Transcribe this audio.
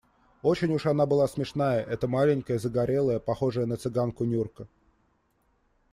Очень уж она была смешная, эта маленькая, загорелая, похожая на цыганку Нюрка.